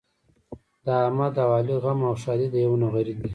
د احمد او علي غم او ښادي د یوه نغري دي.